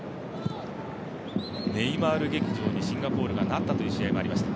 ネイマール劇場にシンガポールがなったという試合もありました。